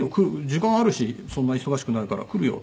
「時間あるしそんな忙しくないから来るよ」